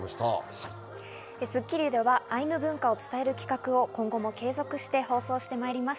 『スッキリ』ではアイヌ文化を伝える企画を今後も継続して放送してまいります。